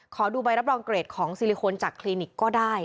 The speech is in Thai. ขอดูใบรับรองเกรดของซิลิโคนจากคลินิกก็ได้